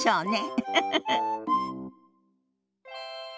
ウフフフ。